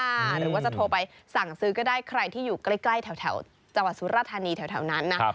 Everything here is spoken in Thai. หรือว่าจะโทรไปสั่งซื้อก็ได้ใครที่อยู่ใกล้แถวจังหวัดสุรธานีแถวนั้นนะ